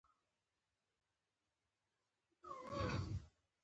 زما ږغ اورې!